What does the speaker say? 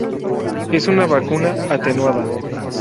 Es una vacuna atenuada.